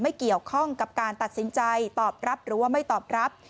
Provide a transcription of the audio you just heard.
ไม่เกี่ยวข้องกับการตัดสินใจตอบรับหรือว่าไม่ตอบรับ